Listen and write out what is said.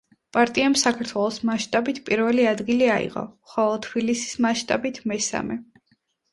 პარტიამ საქართველოს მასშტაბით პირველი ადგილი აიღო, ხოლო თბილისის მასშტაბით მესამე.